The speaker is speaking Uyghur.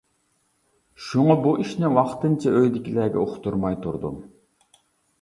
شۇڭا بۇ ئىشنى ۋاقتىنچە ئۆيدىكىلەرگە ئۇقتۇرماي تۇردۇم.